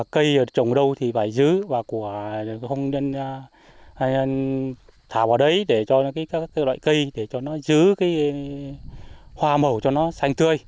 cây trồng đâu thì phải giữ và của người dân thả vào đấy để cho các loại cây để cho nó giữ cái hoa màu cho nó xanh tươi